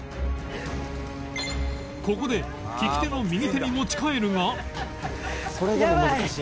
ここで利き手の右手に持ち替えるが